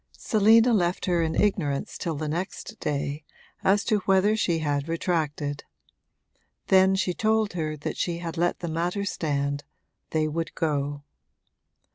Selina left her in ignorance till the next day as to whether she had retracted; then she told her that she had let the matter stand they would go.